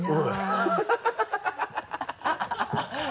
ハハハ